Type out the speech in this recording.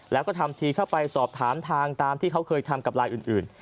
แล้วก็ทำทีเข้าไปสอบถามทางตามที่เขาเคยทำกับลายอื่น